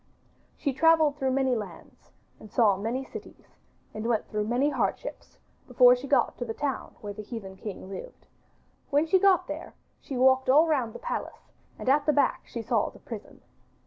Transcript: She travelled through many lands and saw many cities, and went through many hardships before she got to the town where the heathen king lived. When she got there she walked all round the palace and at the back she saw the prison.